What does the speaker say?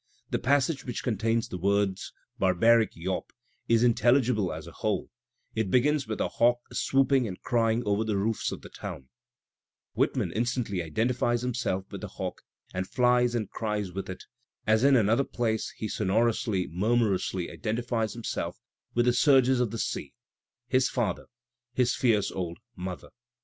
The passage which contains the words "barbaric yawp" is intelligible as a whole; it begins with a hawk swooping and crying over the roofs of the town; Whitman instantly identifies himself with the Digitized by Google WHITMAN 223 hawk and flies and cries with it, as in another place he sonor ously, murmurously identifies himself with the surges of the sea, his father, his "fierce old mother."